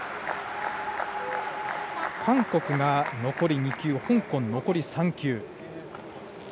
韓国が残り２球香港、残り３球。